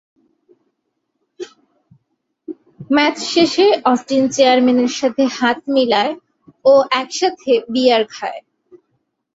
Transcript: Match শেষে Austin চেয়ারম্যানের সাথে হাত মিলায় ও একসাথে বিয়ার খায়।